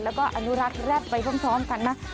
แล้วก็อนุรักษ์แร็ดไปพร้อมกันนะ